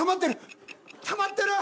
たまってる。